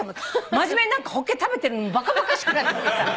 真面目にホッケ食べてるのバカバカしくなってきてさ。